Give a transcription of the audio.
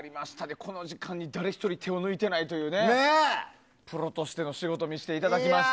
この時間に誰１人手を抜いていないというプロとしての仕事を見せていただきました。